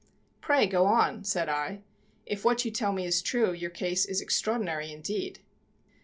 "Pray, go on," said I. "If what you tell me is true your case is extraordinary indeed."